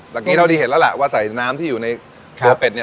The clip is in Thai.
ตอนนี้เราดีเห็นแล้วล่ะว่าใส่น้ำที่อยู่ในครับตัวเป็ดเนี้ย